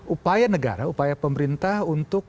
upaya negara upaya pemerintah untuk